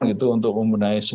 itu untuk membenahi